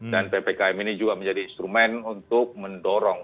ppkm ini juga menjadi instrumen untuk mendorong